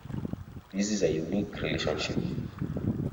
This is a unique relationship.